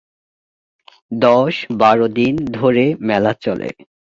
দশ বারো দিন ধরে মেলা চলে।